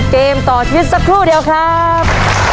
เกมต่อชีวิตสักครู่เดียวครับ